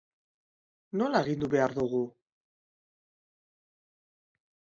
Nola agindu behar dugu?